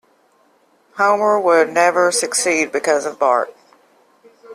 Homer would never succeed because of Bart.